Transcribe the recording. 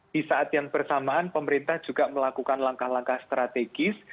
di saat yang bersamaan pemerintah juga melakukan langkah langkah strategis